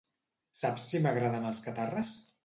Saps si m'agraden els Catarres?